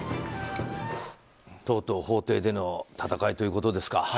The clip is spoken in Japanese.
とうとう法廷での戦いということですか。